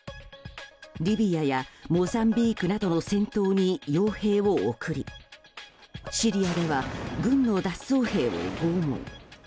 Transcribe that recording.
リビアやモザンビークなどの戦闘に傭兵を送りシリアでは軍の脱走兵を拷問。